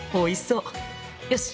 よし！